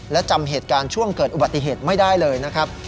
และจำเหตุการณ์ช่วงเกิดอุบัติเหตุไม่ได้เลยนะครับ